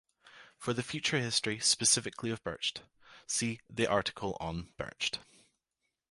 For the further history specifically of Burcht, see the article on Burcht.